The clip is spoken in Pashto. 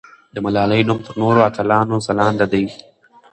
د ملالۍ نوم تر نورو اتلانو ځلانده دی.